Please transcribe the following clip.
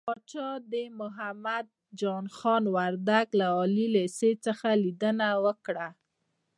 پاچا د محمد جان خان وردک له عالي لېسې څخه ليدنه وکړه .